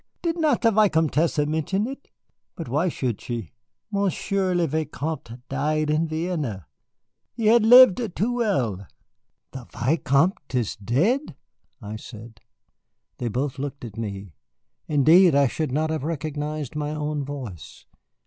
Did not the Vicomtesse mention it? But why should she? Monsieur le Vicomte died in Vienna. He had lived too well." "The Vicomte is dead?" I said. They both looked at me. Indeed, I should not have recognized my own voice.